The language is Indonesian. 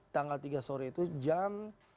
tanggal tiga sore itu jam